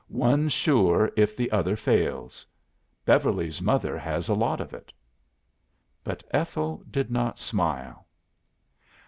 One sure if the other fails.' Beverly's mother has a lot of it.'" "But Ethel did not smile.